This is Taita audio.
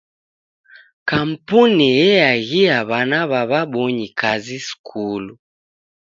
Kampuni eaghia w'ana w'a w'abonyi kazi skulu.